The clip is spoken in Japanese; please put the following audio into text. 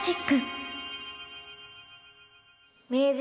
名人